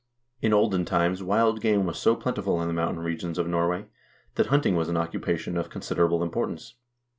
In olden times wild game was so plentiful in the mountain regions of Norway that hunting was an occupation of considerable impor tance.